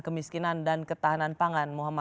dan ini kita akan menjawab